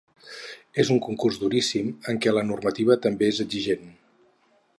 És un concurs duríssim, en què la normativa també és exigent.